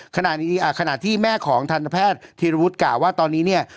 ขณะที่แม่ของธรรมแพทย์ธิรวุฒิกะว่าตอนนี้เนี่ย